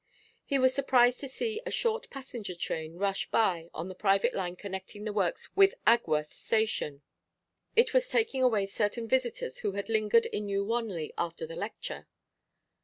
He was surprised to see a short passenger train rush by on the private line connecting the works with Agworth station; it was taking away certain visitors who had lingered in New Wanley after the lecture.